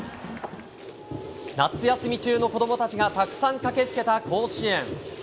夏休み中の子どもたちがたくさん駆けつけた甲子園。